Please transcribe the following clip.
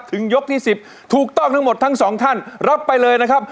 ยกที่๑๐ถูกต้องทั้งหมดทั้งสองท่านรับไปเลยนะครับ